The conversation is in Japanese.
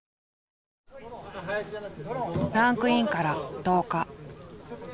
クランクインから１０日。